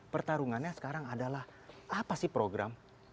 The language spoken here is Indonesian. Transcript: pertarungannya sekarang adalah apa sih program